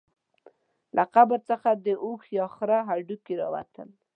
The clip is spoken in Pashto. له قبر څخه د اوښ یا خره هډوکي راووتل.